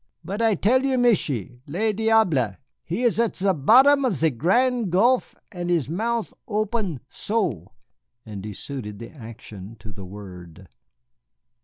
"But I tell you, Michié, le diable, he is at ze bottom of ze Grand Gulf and his mouth open so." And he suited the action to the word.